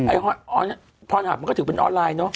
พรหับมันก็ถือเป็นออนไลน์เนอะ